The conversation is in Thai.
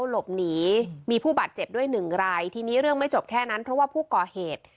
หลบหนีมีผู้บาดเจ็บด้วยหนึ่งรายทีนี้เรื่องไม่จบแค่นั้นเพราะว่าผู้ก่อเหตุ